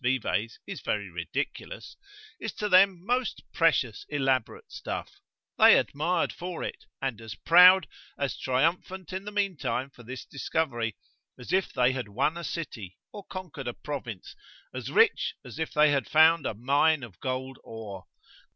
Vives, is very ridiculous, is to them most precious elaborate stuff, they admired for it, and as proud, as triumphant in the meantime for this discovery, as if they had won a city, or conquered a province; as rich as if they had found a mine of gold ore.